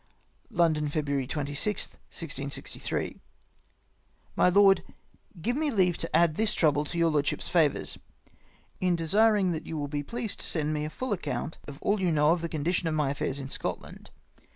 " London, Feb. 26th, 1663. " My Loed, — Grive me leave to add this trouble to your lordship's favours, in desiring that you will be pleased to send me a full account of all you know of the condition of my affairs in Scotland.